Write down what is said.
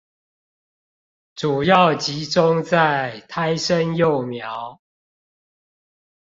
主要集中在胎生幼苗